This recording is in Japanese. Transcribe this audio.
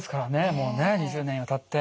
もうね２０年にわたって。